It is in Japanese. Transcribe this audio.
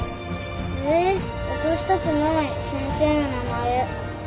えー落としたくない先生の名前。